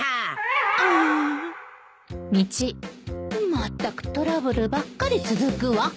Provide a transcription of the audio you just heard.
まったくトラブルばっかり続くわ